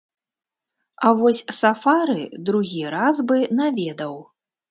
А вось сафары другі раз бы наведаў.